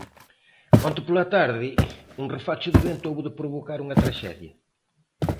Onte pola tarde, un refacho de vento houbo de provocar unha traxedia.